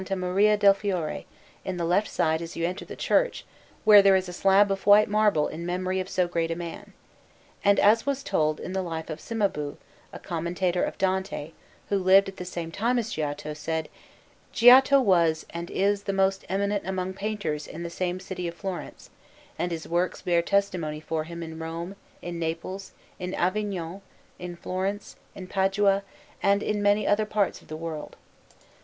Maria del Fiore, on the left side as you enter the church, where there is a slab of white marble in memory of so great a man. And, as was told in the Life of Cimabue, a commentator of Dante, who lived at the same time as Giotto, said: "Giotto was and is the most eminent among painters in the same city of Florence, and his works bear testimony for him in Rome, in Naples, in Avignon, in Florence, in Padua, and in many other parts of the world."